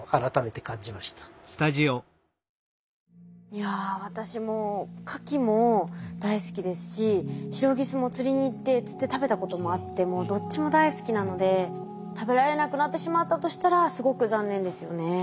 いやあ私もカキも大好きですしシロギスも釣りに行って釣って食べたこともあってもうどっちも大好きなので食べられなくなってしまったとしたらすごく残念ですよね。